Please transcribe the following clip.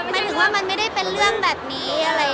หมายถึงว่ามันไม่ได้เป็นเรื่องแบบนี้อะไรอย่างนี้